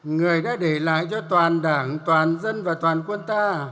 người đã để lại cho toàn đảng toàn dân và toàn quốc